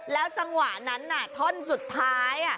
แล้วจังหวะนั้นท่อนสุดท้าย